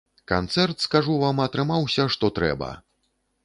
Канцэрт, скажу вам, атрымаўся што трэба!